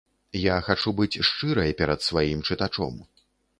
Я хачу быць шчырай перад сваім чытачом.